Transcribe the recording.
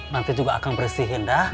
nanti juga akan bersihin dah